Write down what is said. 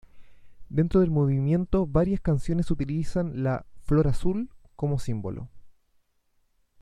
Dentro del movimiento varias canciones utilizan la "Flor azul" como símbolo.